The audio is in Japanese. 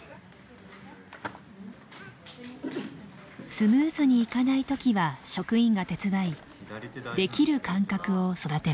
スムーズにいかない時は職員が手伝いできる感覚を育てます。